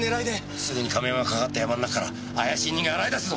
すぐに亀山が関わったヤマの中から怪しい人間洗い出すぞ！